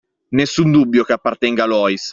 Nessun dubbio che appartenga a Loïs!